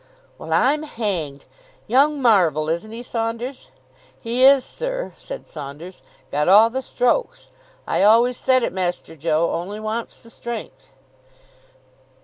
"Well, I'm hanged! Young marvel, isn't he, Saunders?" "He is, sir," said Saunders. "Got all the strokes. I always said it, Master Joe. Only wants the strength."